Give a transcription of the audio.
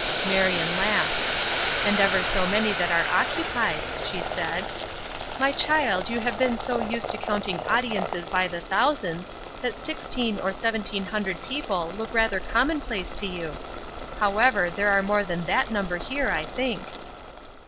Marion laughed. "And ever so many that are occupied," she said. "My child, you have been so used to counting audiences by the thousands, that sixteen or seventeen hundred people look rather commonplace to you. However, there are more than that number here, I think."